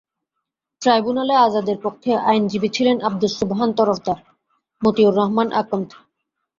ট্রাইব্যুনালে আযাদের পক্ষে আইনজীবী ছিলেন আবদুস সোবহান তরফদার, মতিউর রহমান আকন্দ।